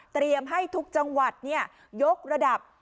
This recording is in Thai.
เตรียมให้ทุกจังหวัดเนี่ยยกระดับ